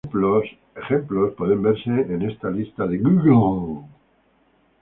Ejemplos pueden verse en esta lista de Google.